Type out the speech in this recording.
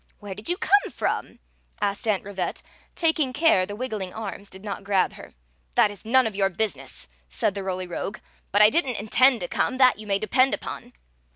"Where did you come from? asked Aunt Ri vette, taking care the wiggling arms did not grab her. "That is none of your business," said the Roly Story of the Magic Cloak 211 Rogue. *• But I did n't intend to come, that you may depend upon."